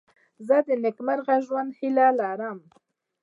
زه د نېکمرغه ژوند هیله لرم.